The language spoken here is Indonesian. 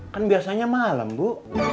kan biasanya malam ku